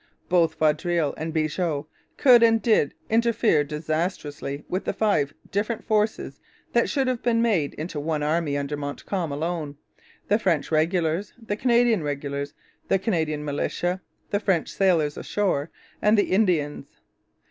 Both Vaudreuil and Bigot could and did interfere disastrously with the five different forces that should have been made into one army under Montcalm alone the French regulars, the Canadian regulars, the Canadian militia, the French sailors ashore, and the Indians.